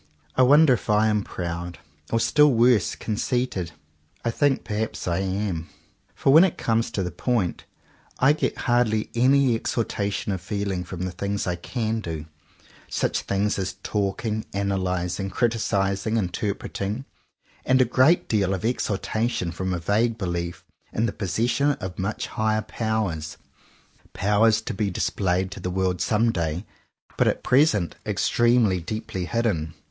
I wonder if I am proud, or, still worse, con ceited? I think perhaps I am; for, when it comes to the point, I get hardly any exulta tion of feeling from the things I can do, such things as talking, analyzing, criticising, inter preting; and a great deal of exultation from a vague belief in the possession of much high er powers, powers to be displayed to the world some day, but at present extremely 111 CONFESSIONS OF TWO BROTHERS deeply hidden.